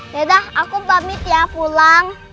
yaudah aku pamit ya pulang